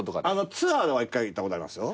ツアーでは１回行ったことありますよ。